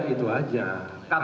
karena masalah kita kan itu